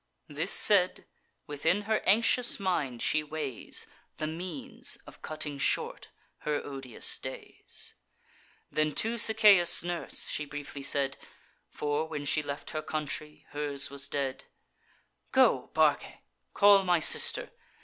This said, within her anxious mind she weighs The means of cutting short her odious days. Then to Sichaeus' nurse she briefly said (For, when she left her country, hers was dead): "Go, Barce, call my sister.